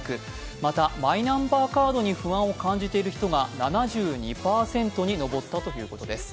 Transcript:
また、マイナンバーカードに不安を感じている人が７２％に上ったということです。